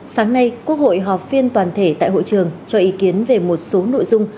sáng nay quốc hội họp phiên toàn thể tại hội trường cho ý kiến về một số nội dung